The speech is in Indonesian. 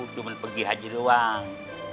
itu mesti pergi haji doang